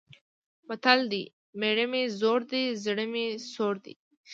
متل دی: مېړه مې زوړ دی، زړه مې سوړ دی.